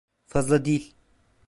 Fazla değil.